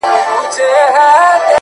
خو دده زامي له يخه څخه رېږدي،